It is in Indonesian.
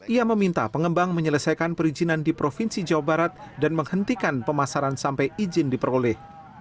ia meminta pengembang menyelesaikan perizinan di provinsi jawa barat dan menghentikan pemasaran sampai izin diperoleh